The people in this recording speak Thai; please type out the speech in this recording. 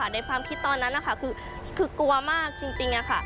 ในความคิดตอนนั้นคือกลัวมากจริงค่ะ